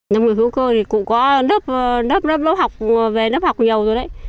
nông nghiệp hữu cơ thì cũng có lớp học về lớp học nhiều rồi đấy